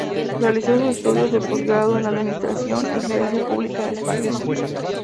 Realizó sus estudios de posgrado en Administración y Gerencia Pública en España.